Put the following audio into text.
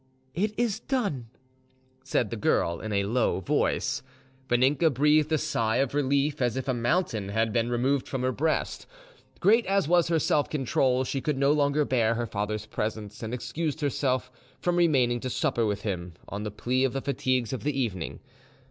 "It is done," said the girl in a low voice. Vaninka breathed a sigh of relief, as if a mountain had been removed from her breast. Great as was her self control, she could no longer bear her father's presence, and excused herself from remaining to supper with him, on the plea of the fatigues of the evening.